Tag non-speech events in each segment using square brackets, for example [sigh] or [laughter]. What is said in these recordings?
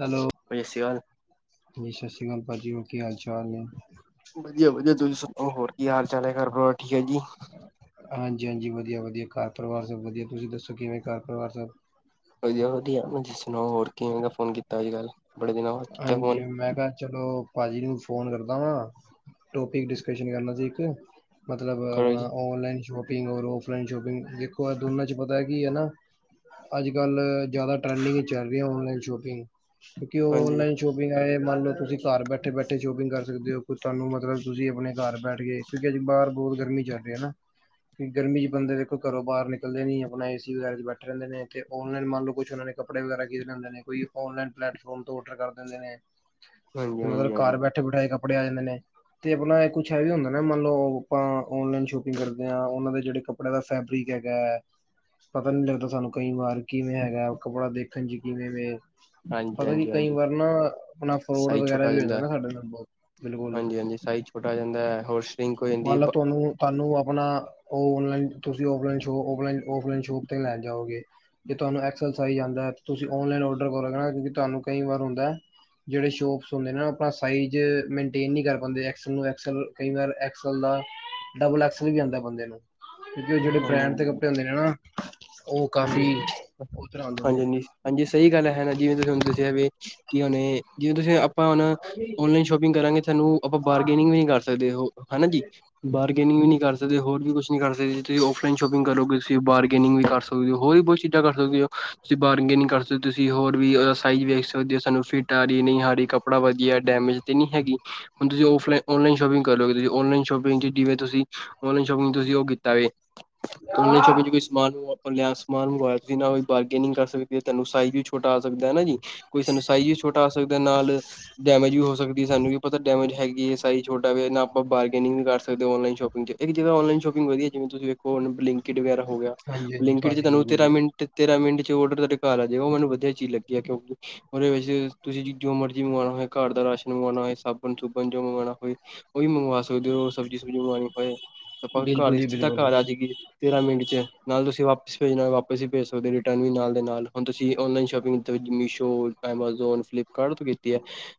Hello ਭਾਜੀ ਸਤਿ ਸ਼੍ਰੀ ਅਕਾਲ ਜੀ ਸਤਿ ਸ਼੍ਰੀ ਅਕਾਲ ਭਾਜੀ ਹੋ ਕੀ ਹਾਲ ਚਾਲ ਨੇ? ਵਧੀਆ ਵਧੀਆ ਤੁਸੀਂ ਸੁਣਾਓ ਹੋਰ ਕੀ ਹਾਲ ਚਾਲ ਹੈ ਘਰ ਪਰਿਵਾਰ ਠੀਕ ਹੈ ਜੀ? ਹਾਂਜੀ ਹਾਂਜੀ ਵਧੀਆ ਵਧੀਆ ਘਰ ਪਰਿਵਾਰ ਸਭ ਵਧੀਆ ਤੁਸੀਂ ਦੱਸੋ ਕਿਵੇਂ ਘਰ ਪਰਿਵਾਰ ਸਭ? ਵਧੀਆ ਵਧੀਆ ਤੁਸੀਂ ਸੁਣਾਓ ਹੋਰ ਕਿਵੇਂ ਦਾ ਫੋਨ ਕੀਤਾ ਅੱਜ ਕੱਲ੍ਹ? ਬੜੇ ਦਿਨਾਂ ਬਾਅਦ ਕੀਤਾ ਹਾਂਜੀ ਫੋਨ। ਮੈਂ ਕਿਹਾ ਚਲੋ ਭਾਜੀ ਨੂੰ ਫੋਨ ਕਰਦਾ ਵਾ ਟੋਪਿਕ ਡਿਸਕ ਕਰਨਾ ਸੀ ਇੱਕ। ਮਤਲਬ ਕਰੋ ਜੀ ਆਪਣਾ ਔਨਲਾਈਨ ਸ਼ੋਪ। [inaudible] ਔਫਲਾਈਨ ਸ਼ੋਪਿੰਗ ਦੇਖੋ ਦੋਨਾਂ 'ਚ ਪਤਾ ਹੈ ਕਿ ਹੈ ਕਿ ਹੈ ਨਾ। ਅੱਜ ਕੱਲ੍ਹ ਜ਼ਿਆਦਾ ਟਰੈਂਡਿੰਗ ਚੱਲ ਰਹੀ ਹੈ। ਔਨਲਾਈਨ ਸ਼ੋਪਿੰਗ ਕਿਉਂਕਿ ਉਹ ਹਾਂਜੀ ਔਨਲਾਈਨ ਸ਼ੋਪਿੰਗ ਹੈ ਮੰਨ ਲਓ ਤੁਸੀਂ ਘਰ ਬੈਠੇ। ਬੈਠੇ ਬੈਠੇ ਸ਼ੋਪਿੰਗ ਕਰ ਸਕਦੇ ਹੋ। ਤੁਹਾਨੂੰ ਮਤਲਬ ਤੁਸੀਂ ਆਪਣੇ ਘਰ ਬੈਠ ਕੇ ਕਿਉਂਕਿ ਅੱਜ ਬਾਹਰ ਬਹੁਤ ਗਰਮੀ ਚੱਲ ਰਹੀ ਹੈ। ਨਾ! ਕਿ ਗਰਮੀ ਚ ਬੰਦੇ ਦੇਖੋ ਘਰੋਂ ਬਾਹਰ ਨਿਕਲਦੇ ਨੀ ਆਪਣਾ ਏ ਸੀ ਵਗੈਰਾ ਚ ਬੈਠ ਰਹਿੰਦੇ ਨੇ, ਤੇ ਔਨਲਾਈਨ ਮੰਨ ਲਓ ਕੁੱਛ ਉਹਨਾਂ ਨੇ। ਕੱਪੜੇ ਵਗੈਰਾ ਖਰੀਦ ਲੈਂਦੇ ਨੇ ਕੋਈ ਆਨਲਾਈਨ। ਪਲੈਟਫੋਮ ਤੋਂ ਆਡਰ ਕਰ ਦਿੰਦੇ ਨੇ ਹਾਂਜੀ ਹਾਂਜੀ ਤੇ ਹਾਂਜੀ ਮਤਲਬ ਘਰ ਬੈਠੇ ਬੈਠਾਏ ਕੱਪੜੇ ਆ ਜਾਂਦੇ ਨੇ। ਤੇ ਆਪਣਾ ਕੁਛ ਇਹ ਵੀ ਹੁੰਦਾ ਨਾ ਮੰਨ ਲਓ ਆਪਾਂ ਆਨਲਾਈਨ ਸ਼ੋਪਿੰਗ ਕਰਦੇ ਹਾਂ। ਉਹਨਾਂ ਦੇ ਜਿਹੜੇ ਕੱਪੜੇ, ਕੱਪੜੇ ਦਾ ਫੈਬਰਿਕ ਹੈਗਾ ਹੈ। ਪਤਾ ਨਹੀਂ ਲੱਗਦਾ ਸਾਨੂੰ ਕਈ ਵਾਰ ਕਿਵੇਂ ਹੈਗਾ ਕੱਪੜਾ ਦੇਖਣ ਚ ਕਿਵੇਂ ਵੇ। ਹਾਂਜੀ ਪਤਾ ਜੀ ਹਾਂਜੀ ਕਈ ਹਾਂਜੀ ਵਾਰ ਨਾ ਆਪਣਾ ਫਰੋਡ ਸਾਈਜ਼ ਵਗੈਰਾ ਛੋਟਾ ਆ ਵੀ ਹੋ ਜਾਂਦਾ ਨਾ ਸਾਡੇ ਨਾਲ ਬਹੁਤ ਬਿਲਕੁਲ। ਕੋਈ ਛੋਟਾ ਹੋ ਜਾਂਦਾ ਹੈ ਹੋਰ ਸ਼ਰਿੰਕ ਹੋ ਜਾਂਦੀ ਮੰਨ ਹੈ। ਲਓ ਤੁਹਾਨੂੰ ਤੁਹਾਨੂੰ ਆਪਣਾ ਆਨਲਾਈਨ ਤੁਸੀਂ ਆਫਲਾਈਨ ਸ਼ੋਪ ਆਫਲਾਈਨ ਸ਼ੋਪ ਤੇ ਲੈਣ ਜਾਓਗੇ। ਤੁਹਾਨੂੰ ਐਕਸਲ ਸਾਈਜ਼ ਆਉਂਦਾ ਤੁਸੀਂ ਆਨਲਾਈਨ ਆਡਰ ਕਰੋਗੇ ਤੁਹਾਨੂੰ ਕਈ ਵਾਰ ਹੁੰਦਾ। ਜਿਹੜੇ ਸ਼ੋਪਸ ਹੁੰਦੇ ਆਪਣਾ ਸ ਮੇਨਟੇਨ ਨਹੀਂ ਕਰ ਪਾਦੇ। ਡਬਲ ਐਕਸਲ ਵੀ ਆਉਂਦਾ ਬੰਦੇ ਨੂੰ ਕਿਉਂਕਿ ਉਹ ਜਿਹੜੇ ਹਾਂਜੀ ਬ੍ਰੈਂਡ ਦੇ ਕੱਪੜੇ ਹੁੰਦੇ ਨੇ ਨਾ। ਉਹ ਹਾਂਜੀ ਕਾਫੀ ਉਧਰ ਆਂਦੇ ਹਾਂਜੀ ਨੇ ਹਾਂਜੀ ਹਾਂਜੀ ਸਹੀ ਗੱਲ ਹੈ ਨਾ। ਜਿਵੇਂ ਤੁਸੀਂ ਤੁਾਨੂੰ ਦੱਸਿਆ ਕਿ ਹ ਜਿਵੇਂ ਤੁਸੀਂ ਆਪਾਂ ਹੁਣ ਓਨਲਾਈਨ ਸ਼ੋਪਿੰਗ ਕਰਾਂਗੇ ਤੁਾਨੂੰ ਆਪਾਂ। ਬਨਿੰਗ ਵੀ ਨ ਕਰ ਸਕਦੇ ਹੋ ਹਨਾ ਜੀ ਬਾਰਗੇਨਿੰਗ ਵੀ ਨਹੀਂ ਕਰ ਸਕਦੇ, ਹੋਰ ਵੀ ਕੁਛ ਨੀ ਕਰ ਸਕਦੇ ਤੁਸੀਂ ਆਫਲਾਈਨ ਸ਼ੋਪਿੰਗ। ਕਰੋਗੇ ਤੁਸੀਂ ਬਾਰਗੇਨਿੰਗ ਵੀ ਕਰ ਸਕਦੇ, ਹੋਰ ਵੀ ਬਹੁਤ ਚੀਜ਼ਾਂ ਕਰ ਸਕਦੇ ਹੋ ਤੁਸੀਂ ਬਾਰਗੇਨਿੰਗ ਕਰ ਸਕਦੇ ਹੋ ਤੁਸੀਂ ਹੋਰ, ਫ੍ਰੀ ਸਾਈਜ਼ ਵੇਖ ਸਕਦੇ ਕਿ ਸਾਨੂੰ ਫਿਟ ਆ ਰਹੀ ਨਹੀਂ ਕੱਪੜਾ ਵਧੀਆ ਡੈਮੇਜ ਤੇ ਨ ਨਹੀਂ ਹੈਗੀ ਹੁਣ ਤੁਸੀਂ। ਫ ਔਨਲਾਈਨ ਸ਼ੋਪਿੰਗ ਕਰ ਲਓਗੇ ਤੁਸੀਂ ਔਨਲਾਈਨ ਸ਼ੋਪਿੰਗ ਜਵੇਂ ਤੁਸੀਂ ਔਨਲਾਈਨ ਸ਼ੋਪਿੰਗ ਤੁਸੀਂ ਉਹ ਕੀਤਾ ਹੋਵੇ। ਛਪੇ ਕੋਈ ਸਮਾਨ ਲਿਆ ਸਮਾਨ ਮੰਗਵਾਇਆ ਤੁਸੀਂ ਨਾ ਕੋਈ ਬਾਰਗੇਨਿੰਗ ਕਰ ਸਕਦੇ ਹੋ ਤੁੈਨੂੰ ਸਾਈਜ, ਛੋਟਾ ਆ ਸਕਦਾ ਹਨਾ ਜੀ ਕੋਈ ਸਾਨੂੰ ਸਾਈਜ਼ ਵੀ ਛੋਟਾ ਆ ਸਕਦਾ ਨਾਲ ਡੈਮੇਜ ਵੀ ਹੋ ਸਕਦੀ। ਸਾਨੂੰ ਕੀ ਪਤਾ ਡੈਮਜ? ਹੈਗੀ ਹੈਏ ਸ ਛੋਟਾ ਵੀ ਆਪਾਂ ਬਾਰਗੇਨਿੰ ਵੀ ਕਰਦੇ ਆਨਈਨ ਸ਼ੋਪਿੰਗ ਚ ਇੱਕ ਜਗ੍ਹ ਆਨਲਾਈਨ ਸ਼ੋਪਿੰਗ ਵਧੀਆ ਜਿਵੇਂ ਤੁਸੀਂ ਵੇਖੋ, ਬਲਿੰਕਟ ਵਗੈਰਾ ਹੋ ਗਿਆ ਹਾਂਜੀ ਹਾਂਜੀ ਬਲਿੰਕਟ ਚ ਭਾਜੀ ਤੁਹਾਨੂੰ ਬਿਲਕੁਲ ਤੇਰਾ ਜੀ ਮਿੰਟ ਤੇਾਂ ਮਿੰਟ ਚ ਡਰ ਘਰ ਆ ਜੇਗਾ ਮੈਨੂੰ ਵਧੀਆ ਚੀਜ਼ ਲੱਗੀ ਹੈ, ਕਿਉਂਕਿ ਉਹਦੇ ਵਿੱਚ ਤੁਸੀਂ ਜੋ ਮਰਜ਼ੀ ਮੰਗਵਾਉਣਾ ਹੋਏ ਘਰ ਦਾ ਰਾਸ਼ਨ ਮੰਗਵਾਉਣਾ ਹੋਏ, ਸਾਬਣ ਬਣ ਜੋ ਮੰਗਵਾਉਣਾ ਹੋਏ ਉਹਓ ਵੀ ਮੰਗਵਾ ਸਕਦੇ ਹੋ ਸਬਜ਼ੀ- ਸੁਬਜ਼ੀ ਮੰਗਵਾਉਣੀ ਹੋਏ ਆਪਾਂ ਬਿਲਕੁਲ ਘਰ ਜੀ ਸਿੱਧਾ ਬਿਲਕੁਲ ਘਰ ਆ ਜਾਏਗੀ ਤੇਰਾਂ ਮਿੰਟ ਚ ਨਾਲ ਤੁਸੀਂ, ਵਾਪਿਸ ਭੇਜਣਾ ਵਾਪਿਸ ਹੀੇ ਸਕਦੇ ਹੋ ਰਿਟਰਨ ਵੀ ਨਾਲ ਹੁਣ ਤੁਸੀਂ online shop Meesho, Amazon, Flipkart ਤੋਂ ਕੀਤੀ ਹੈ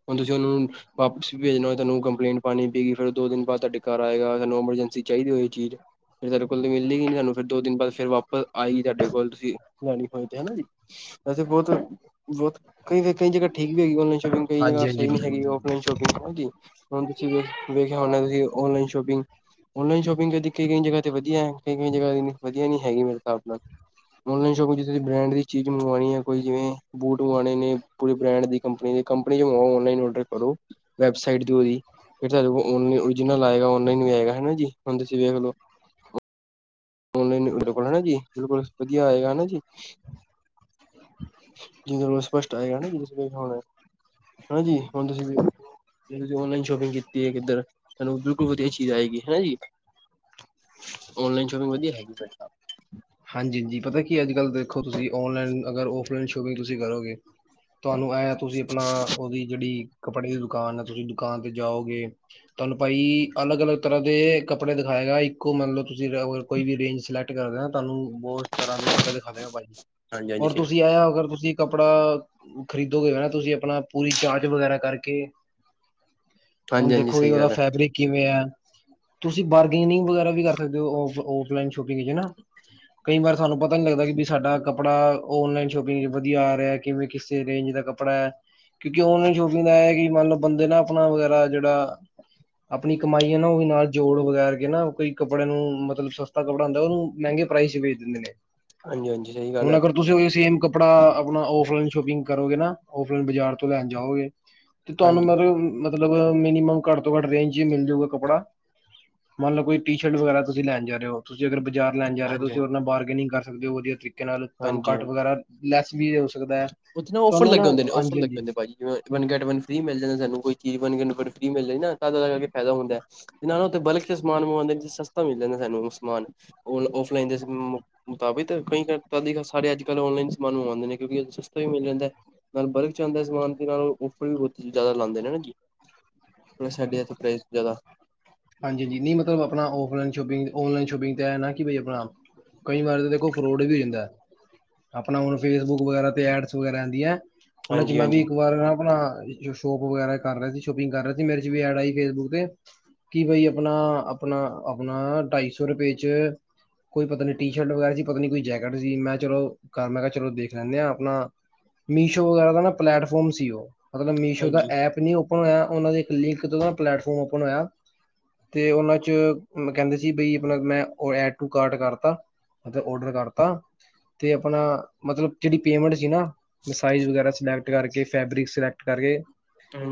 ਹੁਣ ਤੁਸੀਂ ਉਹਨੂੰ ਵਾਪਿਸ ਵੀ ਭੇਜਣਾ ਹੋਵੇ, ਕੰਪਲੇਂਟ ਪਾਉਣੀ ਪਈਗੀ ਫਿਰ ਦੋ ਦਿਨ ਬਾਅਦ ਤੁਹਾਡੇ ਘਰ ਆਏਗਾ ਸਾਨੂੰ ਐਮਰਜੈਂਸੀ ਚਾਹੀਦੀ ਹੋ ਇਹ ਚੀਜ਼। ਫਿਰਰਡੇਲ ਮਿਲਦੀ ਨ ਨਹੀਂੀਾਨੂੰ ਫਿਰ ਦੋ ਦਿਨ ਬਾ ਫਿਰ ਵਾ [inaudible] ਆਈ ਤੁਹਾਡੇ ਕੋਲ ਤੁਸੀਂ ਲੈਣੀ ਹੋਣੀ ਤੇ ਹੈਾ ਜੀ। ਵੈਸੇ ਬਹੁਤ ਬਹੁਤ ਕਈ ਕਈ ਜਗ੍ਹਾ ਠੀਕ ਹੈਗੀ ਔਨਲਾਈਨ ਸ਼ੋਪਿੰਗ ਕਈ ਜਗ੍ਹਾ ਹਾਂਜੀ ਹਾਂਜੀ ਸਹੀ ਨਹੀਂ ਹੈਗੀ ਬਿਲਕੁਲ ਔਫਲਾਈਨ ਸ਼ੋਪਿੰਗ ਨਾ ਹਾਂਜੀ ਹੁਣ ਤੁਸੀਂ ਵਖ ਵੇਖਿਆ ਹੋਣਾ ਤੁਸੀਂ ਔਨਲਾਈਨ ਸ਼ੋਪਿੰਗ? ਔਨਲਾਈਨ ਸ਼ੋਪਿੰਗ ਕਰਦੀ ਕਈ ਕਈ ਜਗ੍ਹਾ ਤੇ ਵਧੀਆ ਕਈ ਕਈ ਜਗ੍ਹਾ ਵਧੀਆ ਨਹੀਂ ਹੈਗੀ ਮੇਰੇ। ਆਨਲਾਈਨ ਸ਼ਾਪ ਤੇ ਜੇ ਤੁਸੀਂ ਬ੍ਰੈਂਡ ਦੀ ਚੀਜ਼ ਮੰਗਵਾਉਣੀ ਹੈ। ਕੋਈ ਜਿਵੇਂ ਬੂਟ ਮੰਗਵਾਉਣੇ ਨੇ ਪੂਰੇ ਬ੍ਰਾਂਡ ਦੀ ਕੰਪਨੀ ਕੰਪਨੀ ਵਿਚ ਆਨਲਾਈਨ ਆਰਡਰ ਕਰੋ। ਫਿਰ ਓਰੀਜਨਲ ਆਏਗਾ ਆਲਾਈਨ ਵੀ ਆਏਗਾਾ ਜੀ ਹੁਣ ਤੁਸੀਂ ਵੇਖ ਲੋ। ਚਤ ਆਨਲਾਨ ਕੋਲ ਹੈਾ ਜੀ ਬਿਲਕੁਲ ਵਧੀਆ ਹੋਏਗਾ ਹਨਾ ਜੀ। ਜਿਹਦੇ ਕੋਲ ਸਪਸ਼ਟ ਆਏਗਾ ਨਾ ਜ ਹ [inaudible] ਹਾਂਜੀੀ ਹੁਣਦੇ ਸੀ ਵੀ। ਔਨਲਾਈਨ ਸ਼ੋਪਿੰਗ ਕੀਤੀ ਹੈ ਕਿੱਧਰ ਤੁਹਾਨੂੰ ਬਿਲਕੁਲ ਵਧੀਆ ਚੀਜ਼ ਆਏਗੀ ਹਨਾ ਜੀ। [unintelligible] [inaudible] ਹਾਂਜੀ -ਹਾਂਜੀ ਪਤਾ ਕੀ ਅੱਜ ਕੱਲ ਦੇਖੋ ਤੁਸੀਂ ਆਨਲਾਈਨ ਅਗਰ ਆਫਲਾਈਨ ਸ਼ੋਪਿੰਗ ਤੁਸੀਂ ਕਰੋਗੇ? ਤੁਹਾਨੂੰ ਐਂ ਆ ਨਾਲ ਤੁਸੀਂ ਆਪਣਾ ਉਹਦੀ ਜਿਹੜੀ, ਕੱਪੜੇ ਦੀ ਦੁਕਾਨ ਹੈ ਤੁਸੀਂ ਦੁਕਾਨ ਤੇ ਜਾਓਗੇ ਤੁਹਾਨੂੰ ਭਾਈ ਅਲੱਗ- ਅਲੱਗ ਤਰ੍ਹਾਂ ਦੇ ਕੱਪੜੇ ਦਿਖਾਏਗਾ ਇੱਕੋ ਮਤਲਬ ਤੁਸੀਂ ਕੋਈ ਵੀ ਰੇਂਜ ਸਿਲੈਕਟ ਕਰਦੇ ਤੁਹਾਨੂੰ। ਬਹੁਤ ਤਰ੍ਹਾਂ ਦੇ ਕੱਪੜੇ ਦਿਖਾ ਦੇ ਹੋ ਭਾਈ ਹਾਂਜੀ ਜ ਹਾਂਜੀ ਔਰ ਸਹੀ ਤੁਸੀਂ ਆਇਆ ਅਗਰ ਤੁਸੀਂ ਕੱਪੜਾ, ਖਰੀਦੋਗੇ ਨਾ ਤੁਸੀਂ ਆਪਣਾ ਪੂਰੀ ਚਾਰਜ ਵਗੈਰਾ ਕਰਕੇ, ਹੁਣ ਹਾਂਜੀ ਹਾਂਜੀ ਦੇਖੋ ਜੀ, ਸਹੀ ਔਦਾ ਗੱਲ ਹੈ ਫੈਬਰਿਕ ਕਿਵੇਂ ਐ? ਤੁਸੀਂ ਬਾਰਗੇਨਿੰਗ ਵਗੈਰਾ ਵੀ ਕਰ ਸਕਦੇ ਔ ਔਫ ਔਫ ਲਾਇਨ ਸ਼ੋਪਿੰਗ ਚ ਹਨਾ। ਕਈ ਵਾਰ ਥੁਹਾਨੂੰ ਪਤਾ ਨੀ ਲੱਗਦਾ ਬਈ ਸਾਡਾ ਕੱਪੜਾ ਔਨਲਾਈਨ ਸ਼ੋਪਿੰਗ ਚ ਵਧੀਆ ਆ ਰਿਐ, ਕਿਵੇਂ ਕਿਸੇ ਰੇਂਜ ਦਾ ਕੱਪੜਾ ਐ‌। ਕਿਉਂਕਿ, ਔਨਲਾਈਨ ਸ਼ੋਪਿੰਗ ਦਾ ਐਹੈ ਕਿ ਮਾਨ ਲੋ ਬੰਦੇ ਦਾ ਅਪਣਾ ਵਗੈਰਾ ਜੇੜਾ ਅਪਣੀ ਕਮਾਈ ਹੈ ਨਾ ਓਹ ਵੀ ਨਾਲ ਜੋੜ ਵਗੈਰ ਕੇ ਨਾ ਕੋਈ ਕੱਪੜੇ ਨੂੰ ਮਤਲਬ ਸਸਤਾ ਕੱਪੜਾ ਹੁੰਦੈ ਔਨੂੰ ਮੈੰਗੇ ਪ੍ਰਾਈਜ ਚ ਵੇਚ ਦਿੰਦੇ ਨੇ। ਹਾਂਜੀ ਹਾਂਜੀ ਸਹੀ ਗੱਲ ਹੁਣ, ਹੈ ਅਗਰ ਤੁਸੀਂ ਔਈਔ ਹਾਂਜੀ ਸੇਮ ਕੱਪੜਾ ਅਪਣਾ ਔਫਲਾਈਨ ਸ਼ੋਪਿੰਗ ਕਰੋਗੇ ਨਾ ਔਫਲਾਈਨ ਬਜ਼ਾਰ ਤੋਂ ਲੈਣ ਜਾਓਗੇ, ਤੇ ਤੁਹਾਨੂੰ ਮਤਲਬ ਹਾਂਜੀ ਮਤਲਬ ਮਿਨੀਮਮ ਘੱਟ ਤੋਂ ਘੱਟ ਰੇਂਜ ਚ ਹੀ ਮਿਲ ਜੂਗਾ ਕੱਪੜਾ। ਮੰਨਲੋ ਕੋਈ ਟੀ-ਸ਼ਰਟ ਵਗੈਰਾ ਤੁਸੀਂ ਲੈਣ ਜਾ ਰੇ ਔ, ਤੁਸੀਂ ਅਗਰ ਬਜ਼ਾਰ ਲੈਣ ਜਾ ਰਹੇ ਹਾਂਜੀ ਤੁਸੀਂ ਔਦੇ ਨਾਲ ਬਾਰਗੇਨਿੰਗ ਕਰ ਸਕਦੇ ਹੋ ਵਧੀਆ ਤਰੀਕ ਕੇ ਨਾਲ ਤੁਹਾਨੁ ਹਾਂਜੀ ਕੱਟ ਵਗੈਰਾ ਲੈਸ ਵੀ ਹੋ ਸਕਦੈ, ਉੱਥੇ ਔਫਰ ਤੁਹਾਨੂੰ ਨਾ ਲੱਗੇ ਹੁੰਦੇ ਨੇ ਔਫਰ ਹਾਂਜੀ ਲੱਗੇ ਹਾਂਜੀ। ਹੁੰਦੇ ਭਾਜੀ ਵਨ ਗੈਟ ਵਨ ਫਰੀ ਮਿਲ ਜਾਂਦਾ ਸਾਨੂੰ ਕੋਈ। ਵਣ ਗੈਣ ਵਣ ਫਰੀ ਮਿਲ ਰੀ ਨਾ ਤਦ ਜਾ ਕਰਕੇ ਫੈਦਾ ਹੁੰਦੈ, ਤੇ ਨਾਲ ਔਥੇ ਬਲਕ ਕੇ ਸਮਾਨ ਮੰਗਵਾਂਦੇ ਜੇ ਸਸਤਾ ਮਿਲ ਜਾਂਦੈ ਸਾਨੂੰ। ਹੁਣ ਸਮਾਨ ਹੁਣ, ਔਫਲਾਈਨ ਦੇ ਮੁ-ਮੁਤਾਬਿਤ ਕਈ ਕਰ ਕਦੀ ਕਾ ਸਾਰੇ ਅੱਜ-ਕੱਲ੍ਹ ਔਨਲਾਈਨ ਸਮਾਨ ਮੰਗਵਾਦੇ ਨੇ ਕਿਉਂਕਿ ਔਦੋ ਚ ਸਸਤਾ ਵੀ ਮਿਲ ਜਾਂਦੈ, ਨਾਲ ਬਲਕ 'ਚ ਆੰਦੈ ਸਮਾਨ, ਤੇ ਨਾਲ ਔ ਥੋੜੀ ਬੌਤੀ ਜੈਦਾ ਲਾੰਦੇ ਨੇ ਨਾ ਜੀ। ਥੋੜਾ ਸਾਡੇ ਇੱਥੇ ਪ੍ਰਾਈਸ ਜ਼ਿਆਦਾ ਹਾਂਜੀ ਹਾਂਜੀ, ਨੀ ਮਤਲਬ ਅਪਣਾ ਔਫਲਾਈਨ ਸ਼ੋਪਿੰਗ ਔਨਲਾਈਨ ਸ਼ੋਪਿੰਗ ਤੇ ਐਨਾ ਕਿ ਬਈ ਅਪਣਾ ਕਈ ਵਾਰ ਤ ਦੇਖੋ ਫਰੋਡ ਵੀ ਹੋ ਜਾਂਦੈ। ਆਪਣਾ ਹੁਣ ਫੇਸਬੁਕ ਵਗੈਰਾ ਤੇ ਐਡਸ ਵਗੈਰਾ ਆਂਦੀਐਂ, ਓਨਾਂ ਚ ਹਾਂਜੀ ਮੈਂ ਵੀ ਹਾਂਜੀ ਇੱਕ ਵਾਰ ਨਾ ਅਪਣਾ ਜੋ ਸ਼ੋਪ ਵਗੈਰਾ ਕਰ ਰਿਆ ਸੀ, ਸ਼ੋਪਿੰਗ ਕਰ ਰੇਆ ਸੀ, ਮੇਰੇ ਚ ਵੀ ਐਡ ਆਈ ਫੇਸਬੁੱਕ ਤੇ। ਕਿ ਬਈ ਅਪਣਾ ਅਪਣਾ ਅਪਣਾ ਨਾ ਢਾਈ ਸੌ ਰੁਪੇ ਚ ਕੋਈ ਪਤਾ ਨੀ ਟੀ ਸ਼ਰਟ ਵਗੈਰਾ ਸੀ ਪਤਾ ਨੀ ਕੋਈ ਜੈਕਟ ਸੀ, ਮੈਂ ਚਲੋ ਕਰ ਮੈਂ ਕਿਆ ਚਲੋ ਦੇਖ ਲੈਂਣੇ ਆਂ ਅਪਣਾ ਮੀਸ਼ੋ ਵਗੈਰਾ ਦਾ ਨਾ ਪਲੈਟਫੋਮ ਸੀ ਓਹ, ਮਤਲਬ ਮੀਸ਼ੋ ਦਾ ਹਾਂਜੀ ਐਪ ਨੀ ਔ ਪਣ ਔਨਾਂ ਦੇ ਇੱਕ ਲਿੰਕ ਤੋਂ ਪਲੈਟਫਾਰਮ ਔਪਨ ਹੋਯਾ, ਤੇ ਔਨਾਂ ਚ ਉਨ ਬ ਕੈੰਦੇ ਸੀ ਬਈ ਪਲਗ ਮੈਂ ਐਡ ਟੂ ਕਾਟ ਕਰਤਾ, ਮਤਲਬ ਔਡਰ ਕਰਤਾ ਤੇ ਅਪਣਾ ਮਤਲਬ ਜੇੜੀ ਪੇਮੈਂਟ ਸੀ ਨਾ ਮਿਸਾਈਜ਼ ਵਗੈਰਾ ਸਿਲੈਕਟ ਕਰਕੇ ਫੈਬਰਿਕ ਸਲੈਕ ਕਰਕੇ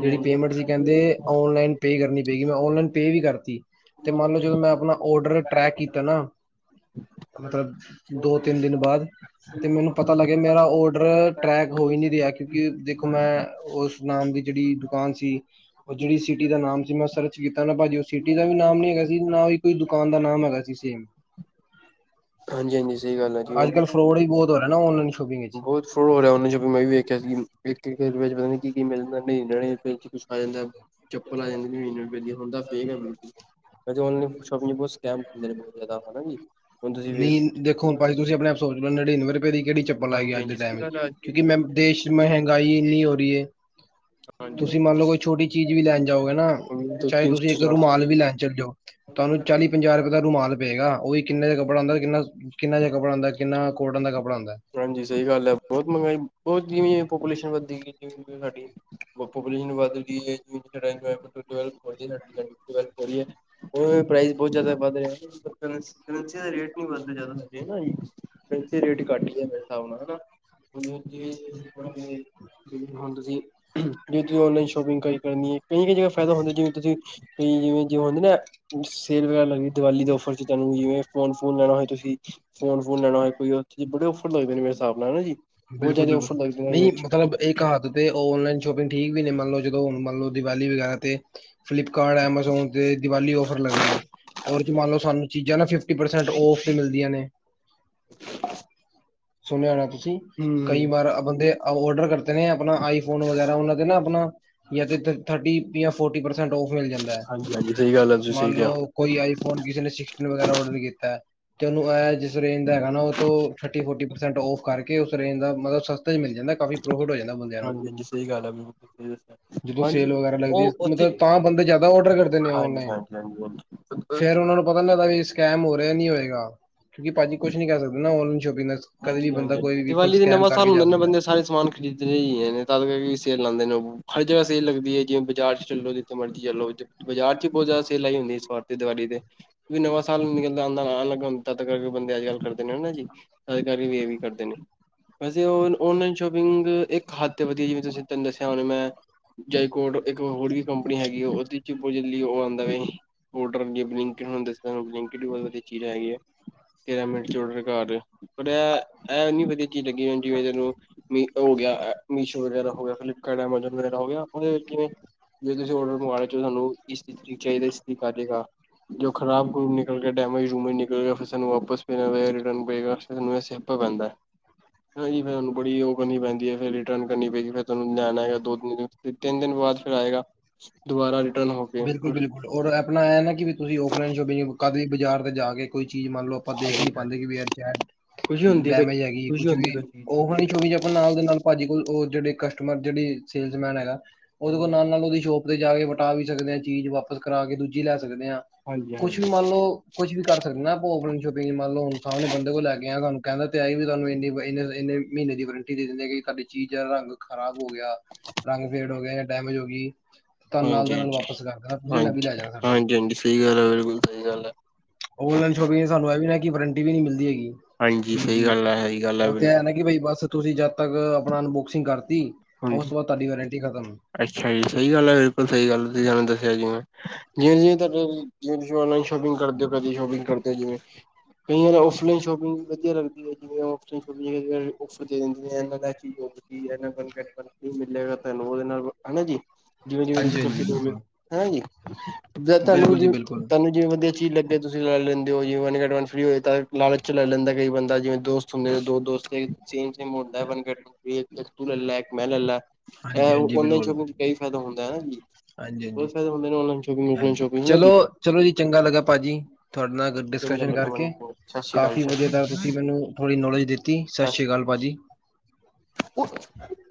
ਜੇੜੀ ਪੇਮੈਂਟ ਸੀ ਕੈੰਦੇ ਔਨਲਾਈਨ ਹਾਂਜੀ ਪੇ ਕਰਨੀ ਪਏਗੀ, ਮੈਂ ਔਨਲਾਈਨ ਪੇਅ ਵੀ ਕਰਤੀ। ਤੇ ਮੰਨ ਲੋ ਜਦੋਂ ਮੈਂ ਅਪਣਾ ਓਡਰ ਟ੍ਰੈਕ ਕੀਤਾ ਨਾ ਮਤਲਬ ਦੋ ਤਿੰਨ ਦਿਨ ਬਾਅਦ। ਤੇ ਮੈਨੂੰ ਪਤਾ ਲੱਗਿਆ ਮੇਰਾ ਓਡਰ ਟਰੈਕ ਹੋ ਹੀ ਨੀ ਰਿਆ, ਕਿਉਂਕਿ ਦੇਖੋ ਮੈਂ ਓਸ ਨਾਮ ਦੀ ਜੇੜੀ ਡੁ ਕਾਨ ਸੀ ਔ ਜੇੜੀ ਸਿਟੀ ਦਾ ਨਾਮ ਸੀ ਮੈਂ ਸਰਚ ਕੀਤਾ ਨਾ ਭਾਜੀ ਔ ਸਿਟੀ ਦਾ ਵੀ ਨਾਮ ਨੀ ਹੈਗਾ ਸੀ ਨਾ ਹੀ ਕੋਈ ਦੁ ਦੁਕਾਨ ਦਾ ਨਾਮ ਹੈਗਾ ਸੀ ਸੇਮ ਹਾਂਜੀ ਸਹੀ ਗੱਲ ਹੈ ਅੱਜ-ਕਲ ਫਰੋਡ ਈ ਬੌਤ ਹੋ ਰੇ ਹੈਨਾ ਔਨਲਾਈਨ ਸੋ਼ ਬੌਤ ਫਰੋ ਹੋ ਰਿਆ ਉਨੇ ਚੋਂ ਵੀ ਮੈਂ ਵੀ ਵੇਖਿਆ ਸੀ ਵੇਖ ਕੇ ਵੇਚ ਪਤਾ ਕੀ ਕੀ ਮਿਲਂਦੈ ਨੀਨੜੇ ਫੇਰ ਚ ਕੁਛ ਆ ਜਾਂਦੈ, ਚੱਪਲ ਆ ਜਾਂਦੀ ਨਨੀਵੇ ਪੇਦੀ ਹੁੰਦਾ ਫੇਕ ਐ, ਬਿਲਕੁ ਐਦੇ ਵਲਣੇ ਬੌ ਸਕੈਮ ਹੁੰਦੇ ਨੇ ਬੌਤ ਜੈਦਾ, ਹੈਨਾਜੀ। ਨੀ ਦੇਖੋ ਹੁਣ ਪਾਜੀ ਤੁਸੀਂ ਅਪਣੇਂ ਆਪ ਸੋਚ ਲੋ ਨੜਿਨਵੇਂ ਰਪੇ ਦੀ ਕੇੜੀ ਚੱਪਲ ਆਏ ਗੀ ਅੱਜ ਦੇ ਹਾਂਜੀ-ਹਾਂਜੀ ਸਹੀ ਟੈਮ ਚ? ਗੱਲ ਹੈ ਕਿਉਂਕਿ, ਮੈਂ ਦੇਸ਼ ਚ ਮਹਿੰਗਾਈ ਇਨੀ ਹੋ ਰੀ ਏ‌। ਹਾਂਜੀ ਤੁਸੀਂ ਮੰਨ ਲੋ ਕੋਈ ਛੋਟੀ ਚੀਜ਼ ਵੀ ਲੈਣ ਜਾਓਗੇ ਨਾ, ਹੁਣ ਚਾਹੇ ਤਿੰਨ ਤੁਸੀਂ ਸੌ ਇੱਕ ਚਾਰ ਰੁਮਾਲ ਵੀ ਸੌ ਲੈਣ ਚਲੇ ਜੋ ਤੁਵਾਨੂੰ ਚਾਲੀ ਪੰਜਾਹ ਰੁਪਏ ਦਾ ਰੂਮਾਲ ਪਏਗਾ, ਓਹੀ ਕਿੰਨੇ ਦਾ ਕੱਪੜ ਆੰਦੈ ਕਿੰਨਾ ਕਿੰਨਾ ਜਾ ਕਪੜਾ ਆੰਦਾ ਕਿੰਨਾ ਕੋ ਹਾਂਜੀ, ਸਹੀ ਗੱਲ ਐ, ਬੋਤ ਮਹਿੰਗਾਈ ਬੋਤ ਜਿਵੇਂ ਪੋਪੂਲੇਸ਼ਨ ਵੱਧਧੀ ਗਈ ਜਿਵੇਂ ਸਾਡੀ ਪੋਪਲੇਸ਼ਨ ਵੱਧ ਰੀ ਏ ਸਾਡੀ ਕੰਟਰੀ ਡੱਵੈਲਪ ਹੋ ਰੀ ਐ। ਓਹ ਪ੍ਰਾਈਸ ਬੌਤ ਜੈਦਾ ਵੱਧ ਰਿਐ। ਕਰੰ-ਕਰੰਸੀ ਦਾ ਰੇਟ ਨੀ ਵੱਧ ਰਿਆ ਜੈਦਾ ਹੇਨਾ ਈ ਕੰਸੀ ਰੇਟ ਘੱਟ ਗਿਐ ਮੇਰੇ ਸਾਬ ਨਾਲ, ਹੈਨਾ। ਹੁਣ, ਜਿਵੇਂ ਜਿਵੇਂ ਜਿਵੇਂ ਹੁਣ ਤੁਸੀਂ ਜਿਵੇ ਤੁਸੀ ਔਨਲਾਈਨ ਸ਼ੋਪਿੰਗ ਕਈ ਕਰਨੀ ਏ, ਕਈ ਕਈ ਜਗ੍ਹਾ ਫੈਦਾ ਹੁੰਦੈ ਜਿਵੇਂ ਤੁਸੀਂ ਕਈ ਜਿਵੇਂ ਜਿਂਵ ਹੁੰਦੇ ਨਾ ਸੇਲ ਵਗੈਰਾ ਲੱਗਦੀ ਦੀਵਾਲੀ ਦੇ ਔਫਰ ਚ ਤਾਨੂੰ ਜਿਵੇਂ ਫੋਨ ਫੁਨ ਲੈਣਾ ਹੋਏ ਤੁਸੀਂ। ਫੋਨ ਫੋਨ ਲੈਣਾ ਹੋ ਕੋਈ ਉੱਥੇ ਬੜੇ ਔਫਰ ਲਗਦੇ ਨੇ ਮੇਰੇਿਸਾਬ ਨਾਲ ਹਨਾ ਜੀ ਬਹੁਤ ਬਿਲਕੁਲ ਜ਼ਿਆਦਾ ਬਿਲਕੁਲ ਔਫਰ ਲੱਗਦੇ ਨੇ ਨਹੀਂ ਵਿੱਚ ਮਤਲਬ ਇੱਕ ਹੱਥ ਤੇ ਔਨਲਾਈਨ ਸ਼ੋਪਿੰਗ ਠੀਕ ਵੀ ਨੇ ਮੰਨਲਓ ਜਦੋਂ ਮੰਨਲ ਦੀਵਾਲੀ ਵਗੈਰਾ ਤੇ ਫਲਿਪਕਾਰਟ ਐਮਾਜ਼ੋਨ ਤੇ ਦੀਵਾਲੀ ਫਰ ਲੱਗਦੇ ਨੇ ਰ ਚ ਮੰਨ ਲੋ ਸਾਨੂੰ ਚੀਜ਼ਾਂ ਨਾ ਫਿਫਟੀ ਪਰਸੈਂਟ ਫ ਤੇ ਮਿਲਦੀਆਂ ਨੇ ਸੁਣਿਆ ਹੋਣਾ ਤੁਸੀਂ ਕਈ ਵਾਰ ਬੰਦੇ ਡਰ ਕਰਤੇ ਨੇ ਆਪਣਾ ਆਈਫੋਨ ਵਗੈਰਾ ਉਹ ਦੇ ਨਾ ਆਪਣਾਥਰਟੀ ਫੋਰ ਪਰਸੈਂਟ ਮਿਲ ਜਾਂਦਾ ਹੈ ਹਮ ਹਾਂਜੀ ਹਾਂਜੀ ਸਹੀ ਗੱਲ ਹੈ ਤੁਸੀਂ ਸਹੀ ਮੰਨ ਕਿਹਾ ਲਓ ਕੋਈ ਆਈ ਫ ਕਿਸੇ ਨੇ ਵਗੈਰਾ ਡਰ ਕੀਤਾ ਤੇ ਉਹਨੂੰ ਇਹ ਜਿਸ ਰੇਂਜ ਦਾ ਹੈਗਾ ਉਹ ਥਰਟੀ ਫੋ ਸੈਂਟ ਔਫ ਕਰਕੇ ਉਸ ਰੇਜ ਦਾ ਮਤਲਬ ਸਸਤਾ ਚ ਮਿਲ ਜਾਂਦਾ ਕਾਫੀ ਪ੍ਰੋਫਿਟ ਹੋ ਜਾਂਦਾ ਬੰਦਿਆਂ ਨੂੰ ਸਹੀ ਗੱਲ ਆ ਬਿਲਕੁਲ ਸਹੀ ਦੱਸਿਆ ਜਦੋਂ ਹਾਂਜੀ ਸੇਲ ਵਗੈਰਾ ਲੱਗਦੀ ਹੈ, ਉਹ ਉੱਥੇ ਮਤਲਬ ਤਾਂ ਬੰਦੇ ਜ਼ਿਆਦਾ ਔਡਰ ਕਰਦੇ ਨੇ ਹਾਂਜੀ ਔਨਲਾਈਨ ਹਾਂਜੀ ਹਾਂਜੀ ਫੇਰ ਉਹਨਾਂ ਹਾਂਜੀ ਨੂੰ ਪਤਾ ਨੀ ਲੱਗਦਾ ਸਕੈਮ ਹੋ ਰਿਹਾ ਨੀ ਹੋਏਗਾਉਕਿ ਭਾਜੀ ਕੁਛ ਨੀ ਕਰ ਸਕਦੇ ਨਾ ਔਨਲਾਈਨ ਸ਼ੋਪਿੰਗ ਦਾ ਕਦੇ ਵੀ ਹਾਂਜੀ ਬੰਦਾ ਹਾਂਜੀ ਹਾਂਜੀ ਕੋਈ ਵੀ ਦੀਵਾਲੀ ਦੇ ਸਕੈਮ ਨਵਾਂ ਸਾਲ ਕਰਕੇ ਹੁੰਦਾ ਜਾ ਨੇ ਸਕਦਾ ਬੰਦੇ ਸਾਰੇ ਸਮਾਨ ਖਰੀਦ ਰਹੇ ਹੀ ਹੈ ਤ ਸੇਲ ਲਉਂਦੇ ਨੇ ਉਹ ਹਰ ਜਗ੍ਹਾ ਸਹੀ ਲੱਗਦੀ ਐ ਜਿਵੇ ਬਾਜ਼ਾਰ ਚ ਚੱਲੋ ਜਿੱਥੇ ਮਰਜ਼ੀ ਚੱਲੋ। ਬਾਜ਼ਾਰ ਚ ਬਹੁਤ ਜ਼ਿਆਦਾ ਸੇਲ ਲਾਈ ਹੁੰਦੀ ਇਸ ਵਾਰ ਤੇ ਦੀਵਾਲੀ ਤੇ ਕਿਉਂਕਿ ਨਵਾਂ ਸਾਲ ਨਿਕਲਦਾ ਹੁੰਦਾ ਨਾ [unintelligible] [unintelligible] ਅੱਜ ਕੱਲ੍ਹ ਕਰਦੇ ਨੇ ਨਾ ਜੀ ਅੱਜ ਕੱਲ ਇਹ ਵੀ ਕਰਦੇ ਨੇ ਵੈਸੇ ਔਨਲਾਈਨ ਸ਼ੋਪਿੰਗ ਇੱਕ ਹੱਦ ਤੇ ਵਧੀਆ ਜਿਵੇਂ ਤੁਸੀਂ ਤੈਨੂੰ ਦੱਸਿਆ ਹੁਣ ਮੈਂ ਜੈਕੋਟ ਇੱਕ ਹੋਰ ਵੀ ਕੰਪਨੀ ਹੈਗੀ ਉਹਦੇ ਚ ਲਈ ਉਹ ਆਉਂਦਾ [unintelligible] ਵੀ ਬਹੁਤ ਵਧੀਆ ਚੀਜ਼ ਹੈਗੀ ਐ। ਤੇਰਾ [unintelligible] ਐ ਐ, ਓਨੀ ਵਧੀਆ ਚੀਜ਼ ਲੱਗੀ ਮੈਨੂੰ ਜਿਵੇਂ ਚੱਲੋ ਓ ਹੋ ਗਿਆ ਮੀਸ਼ੋ ਵਗੈਰਾ ਹੋ ਗਿਆ ਫਲਿੱਪਕਾਰਟ [unintelligible] ਜਿਵੇਂ ਤੁਸੀਂ ਆਰਡਰ ਮੰਗਾ ਲਿਆ [unintelligible] ਤੁਹਾਨੂੰ ਇਸ ਤਰੀਕ ਨੂੰ ਚਾਹੀਦਾ ਇਸ ਤਰੀਕ ਨੂੰ ਆਜੇਗਾ। ਜੋ ਖਰਾਬ ਖਰੂਬ ਨਿਕਲ ਗਿਆ ਡੈਮੇਜ ਡੂਮਜ। ਨਿਕਲ ਗਿਆ ਫਿਰ ਸਾਨੂੰ ਵਾਪਸ ਫਿਰ ਰਿਟਰਨ ਪੇਗਾ। [unintelligible] ਹਾਂਜੀ, ਫਿਰ ਉਹਨਾਂ ਨੂੰ ਬੜੀ ਉਹ ਕਰਨੀ ਪੈਂਦੀ ਐ ਫਿਰ ਰਿਟਰਨ ਕਰਨੀ ਪਏਗੀ ਫਿਰ ਤੁਹਾਨੂੰ ਲਿਆਣਾ ਹੈਗਾ ਦੋ ਤਿੰਨ ਦਿਨ [unintelligible] ਬਾਅਦ ਚ ਫਿਰ ਆਏਗਾ ਦੁਬਾਰਾ ਰਿਟਰਨ ਹੋ ਕੇ ਬਿਲਕੁਲ ਬਿਲਕੁਲ ਔਰ ਆਪਣਾ ਐ ਨਾ ਕਿ ਵੀ ਤੁਸੀਂ ਆਫਲਾਈਨ ਸ਼ੋਪਿੰਗ ਕਦ ਵੀ ਬਾਜ਼ਾਰ ਤੇ ਜਾ ਕੇ ਕੋਈ ਚੀਜ਼ ਮੰਨ ਲਓ ਆਪਾਂ ਦੇਖ ਨੀ ਹਾਂਜੀ ਹਾਂਜੀ ਪਾਂਦੇ ਵੀ ਐ ਚ ਐ ਖੁਸ਼ੀ ਹੁੰਦੀ ਹੈ ਡੈਮੇਜ ਹੈਗੀ ਖੁਸ਼ੀ ਕੁਛ ਵੀ ਹੁੰਦੀ ਕੋਈ ਉਹ ਚੀਜ਼ ਹੁਣੀ [unintelligible] ਆਪਾਂ ਨਾਲ ਦੇ ਨਾਲ ਭਾਜੀ ਕੋਲ ਜਿਹੜੇ ਕਸਟਮਰ ਜਿਹੜੀ ਸੇਲਸਮੈਨ ਹੈਗਾ ਉਹਦੇ ਕੋਲ ਨਾਲ ਨਾਲ ਉਹਦੀ ਸ਼ੋਪ ਤੇ ਜਾ ਕੇ ਕਰਾ ਵੀ ਸਕਦੇ ਹਾਂ ਚੀਜ਼ ਵਾਪਸ ਕਰਾ ਕੇ ਦੂਜੀ ਲੈਸ ਸਕਦੇ ਹਾਂ ਹਾਂਜੀ ਹਾਂਜੀ ਕੁਛ ਵੀ ਮੰਨ ਲਓ ਕੁਛ ਵੀ ਕਰ ਸਕਦੇ ਆ ਆਪਾਂ ਆਫਲਾਈਨ ਸ਼ੋਪਿੰਗ ਮੰਨ ਲਓ ਸਾਹਮਣੇ ਬੰਦੇ ਕੋਲ ਲੈ ਕੇ ਆਇਆ ਤੁਹਾਨੂੰ ਕਹਿੰਦਾ ਤੇ ਆਏ ਵੀ ਤੁਹਾਨੂੰ ਇੰਨੀ ਇੰਨੇ ਇੰਨੇ ਮਹੀਨੇ ਦੀ ਵਰੰਟੀ ਦੇ ਦਿੰਦੇ ਕਿ ਸਾਡੀ ਚੀਜ਼ ਦਾ ਰੰਗ ਖ਼ਰਾਬ ਹੋ ਗਿਆ ਰੰਗ ਫੇਡ ਹੋ ਗਿਆ ਜਾਂ ਡੈਮੇਜ ਹੋ ਗਈ। ਤੁਹਾਨੂੰ ਨਾਲ ਦੇ ਨਾਲ ਹਾਂਜੀ-ਹਾਂਜੀ, ਵਾਪਸ ਕਰ ਦੇਣਾ ਤੁਸੀਂ ਨਵੀਂ ਲੈ ਹਾਂਜੀ-ਹਾਂਜੀ, ਜਾਣਾ ਸਾਡੇ ਕੋਲ ਹਾਂਜੀ ਸਹੀ ਗੱਲ ਐ ਬਿਲਕੁਲ ਸਹੀ ਗੱਲ ਐ। ਆਨਲਾਈਨ ਸ਼ੋਪਿੰਗ ਸਾਨੂੰ ਇਹ ਵੀ ਆ ਨਾ ਵਾਰੰਟੀ ਵੀ ਨੀ ਮਿਲਦੀ ਹੈਗੀ ਕਿਸੇ ਹਾਂਜੀ ਚੀਜ਼ ਸਹੀ ਦੀ। ਗੱਲ ਹੈ ਸਹੀ ਗੱਲ ਉਹ ਤੇ ਹੈ ਬਿਲਕੁਲ ਨਾ ਕਿ ਬਈ ਬਸ ਤੁਸੀਂ ਜਦ ਤੱਕ ਆਪਣਾ ਅਨਬੋਕਸਿੰਗ ਕਰ ਹਾਂਜੀ, ਅੱਛਾ ਜੀ ਸਹੀ ਗੱਲ ਐ ਬਿਲਕੁਲ ਸਹੀ ਗੱਲ ਤੁਸੀਂ ਸਾਨੂੰ ਦੱਸਿਆ ਜਿਵੇਂ ਜਿਵੇਂ ਜਿਵੇਂ [unintelligible] ਆਨਲਾਈਨ ਸ਼ੋਪਿੰਗ ਕਰਦੇ ਓ ਕਦੀ ਸ਼ੋਪਿੰਗ ਕਰਦੇ ਓ ਜਿਵੇਂ ਕਈ ਵਾਰ ਔਫਲਾਈਨ ਸ਼ੋਪਿੰਗ ਵਧੀਆ ਲੱਗਦੀ ਐ ਜਿਵੇਂ ਔਫਲਾਈਨ ਸ਼ੋਪਿੰਗ ਕਈ ਵਾਰ ਔਫਰ ਦੇ ਦਿੰਦੀਆਂ [unintelligible] [unintelligible] ਮਿਲੇਗਾ ਤੈਨੂੰ ਉਹਦੇ ਨਾਲ ਹਨਾ ਜੀ ਜਿਵੇਂ ਹਾਂਜੀ ਹਾਂਜੀ ਜਿਵੇਂ ਬਿਲਕੁਲ [unintelligible] ਹਨਾ ਜੀ। ਜਦ ਤੁਹਾਨੂੰ ਬਿਲਕੁਲ ਜ ਜੀ ਬਿਲਕੁਲ ਤੁਹਾਨੂੰ ਜਿਵੇਂ ਵਧੀਆ ਚੀਜ਼ ਲੱਗਦੀ ਆ ਤੁਸੀਂ ਲੈਂ ਲੈਂਦੇ ਓ [unintelligible] ਲਾਲਚ ਚ ਲੈ ਲੈਂਦਾ ਕਈ ਬੰਦਾ ਜਿਵੇਂ ਦੋਸਤ ਹੁੰਦੇ ਨੇ ਦੋ ਦੋਸਤ ਸੇਮ ਸੇਮ ਹੁੰਦਾ ਵਨ ਗੈੱਟ [unintelligible] ਤੂੰ ਲੈ ਲੈ ਇੱਕ ਮੈਂ ਲੈ ਲੈ ਇਹ ਹਾਂਜੀ ਹਾਂਜੀ ਆਨਲਾਈਨ ਬਿਲਕੁਲ ਸ਼ੋਪਿੰਗ ਚ ਇਹੀ ਫਾਇਦਾ ਹੁੰਦਾ ਐ ਨਾ ਜੀ। ਹਾਂਜੀ ਬਹੁਤ ਹਾਂਜੀ ਫਾਇਦਾ ਹੁੰਦੇ ਨੇ ਔਨਲਾਈਨ ਸ਼ੋਪਿੰਗ ਔਫਲਾਈਨ ਹਾਂਜੀ ਸ਼ੋਪਿੰਗ ਹਨਾ ਚਲੋ ਜੀ ਚਲੋ ਜੀ ਚੰਗਾ ਲੱਗਾ ਭਾਜੀ ਤੁਹਾਡੇ ਨਾਲ [inaudible] ਕਾਫੀ ਸਤਿ ਵਧੀਆ ਤਰ੍ਹਾਂ ਤੁਸੀਂ ਮੈਨੂੰ ਥੋੜ੍ਹੀ ਨੌਲੇਜ ਦਿੱਤੀ ਸਤਿ ਸ਼੍ਰੀ ਅਕਾਲ ਭਾਜੀ। [inaudible]